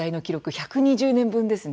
１２０年分ですね